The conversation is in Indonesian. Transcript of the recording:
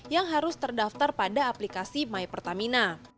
yang harus terdaftar pada aplikasi mypertamina